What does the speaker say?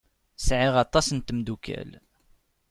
Sɛiɣ aṭas n tmeddukal.